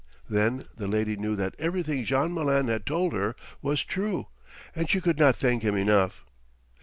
Then the lady knew that everything Jean Malin had told her was true, and she could not thank him enough.